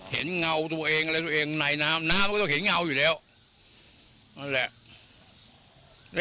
เงาตัวเองอะไรตัวเองในน้ำน้ำมันก็ต้องเห็นเงาอยู่แล้วนั่นแหละ